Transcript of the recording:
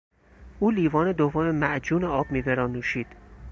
او لیوان دوم معجون آب میوه را نوشید.